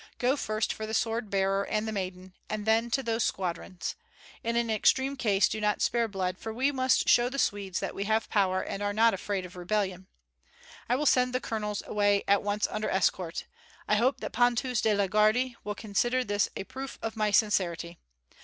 Go first for the sword bearer and the maiden, and then to those squadrons. In an extreme case do not spare blood, for we must show the Swedes that we have power and are not afraid of rebellion. I will send the colonels away at once under escort; I hope that Pontus de la Gardie will consider this a proof of my sincerity.